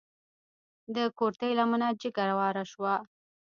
د کورتۍ لمنه جګه واره شوه.